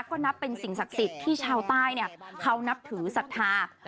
ก็นับเป็นสิ่งศักดิ์สิทธิ์ที่ชาวใต้เนี่ยเค้านับถือศักดิ์ทาร์